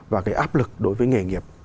và cái áp lực đối với nghề nghiệp